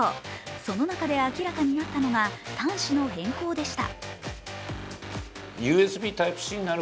その中で明らかになったのが端子の変更でした